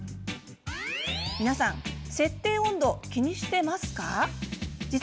皆さん設定温度を気にしていますか。